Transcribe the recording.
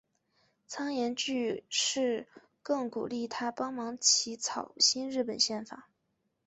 岩仓具视更鼓励他帮忙起草新日本宪法。